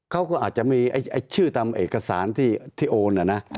เขาก็อาจจะมีชื่อตามเอกสารที่โอนนะนะ